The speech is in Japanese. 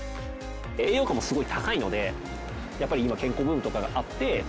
栄養価もすごい高いのでやっぱり今健康ブームとかがあって。